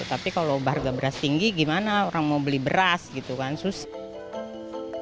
tapi kalau harga beras tinggi gimana orang mau beli beras gitu kan susah